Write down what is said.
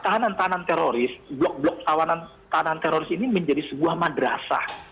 tahanan tahanan teroris blok blok tahanan teroris ini menjadi sebuah madrasah